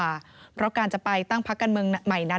การของสื่อมากกว่าเพราะการจะไปตั้งพักกันเมืองใหม่นั้น